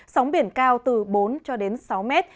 sóng biển cao từ bốn cho đến sáu mét